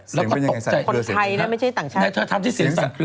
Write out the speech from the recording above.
คนไทนี่ไม่ใช่ต่างชาติ